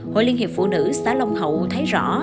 hội liên hiệp phụ nữ xã long hậu thấy rõ